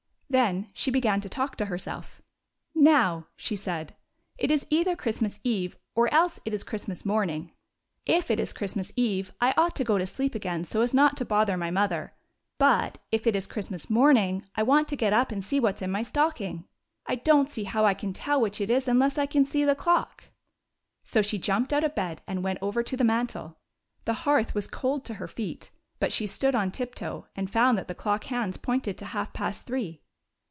Then she began to talk to herself. " Now," she said, " it is either Christmas eve or else it is Christmas morning. If it is Christ 33 GYPSY, THE TALKING DOG mas eve, I ought to go to sleep again so as not to bother my mother; but, if it is Christmas morning, I want to get up and see what 's in my stocking. I don't see how I can tell which it is unless I can see the clock." So she jumped out of bed and went over to the mantel. The hearth was cold to her feet, but she stood on tiptoe, and found that the clock hands pointed to half past three.